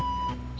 tanya yang banyak